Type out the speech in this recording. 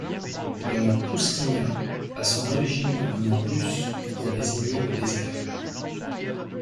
Le mot poustinia a son origine dans le mot russe pour désigner le désert.